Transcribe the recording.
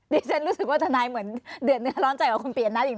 ฉันรู้สึกว่าทนายเหมือนเดือดเนื้อร้อนใจกับคุณปียนัทอีกนะ